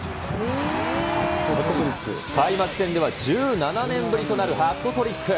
開幕戦では１７年ぶりとなるハットトリック。